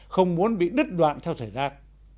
không muốn bị đứt đoạn theo thời gian